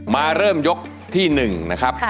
มาเริ่มยกที่๑นะครับ